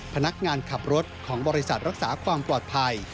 พนักงานขับรถของบริษัทรักษาความปลอดภัย